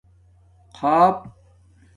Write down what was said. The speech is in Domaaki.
خپ